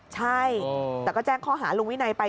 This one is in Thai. ใช่แต่ก็แจ้งข้อหาลุงวินัยไป